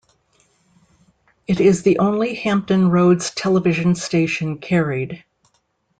It is the only Hampton Roads television station carried.